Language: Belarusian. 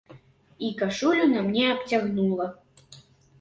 І кашулю на мне абцягнула.